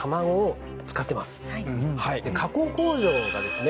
加工工場がですね